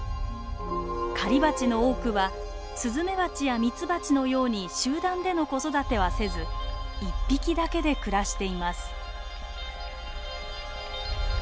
狩りバチの多くはスズメバチやミツバチのように集団での子育てはせず一匹だけで暮らしています。